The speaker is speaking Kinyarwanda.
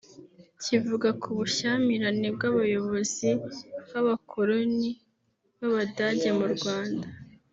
Kivuga ku bushyamirane bw’abayobozi b’abakoloni b’Abadage mu Rwanda